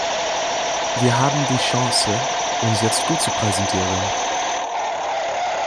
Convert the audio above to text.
Wir haben die Chance, uns jetzt gut zu präsentieren!